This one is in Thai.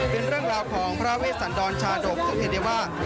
เป็นเรื่องราวของพระเวสันดรชาดกสังเทศเดว่า